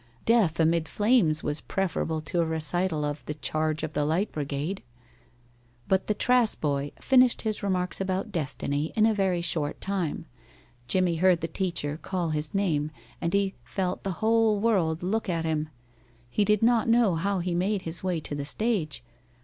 Death amid the flames was preferable to a recital of "The Charge of the Light Brigade." But the Trass boy finished his remarks about destiny in a very short time. Jimmie heard the teacher call his name, and he felt the whole world look at him. He did not know how he made his way to the stage.